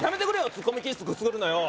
ツッコミ気質くすぐるのよ